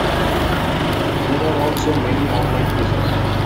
There are also many online quizzes.